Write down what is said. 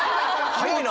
早いな！